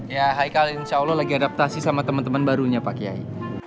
ya haikal insya allah lagi adaptasi sama teman teman barunya pak kiai